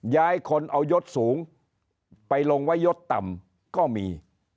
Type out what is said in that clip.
ย้ายคนเอายศสูงไปลงไว้ยศต่ำก็มี